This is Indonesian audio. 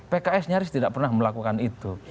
pks nyaris tidak pernah melakukan itu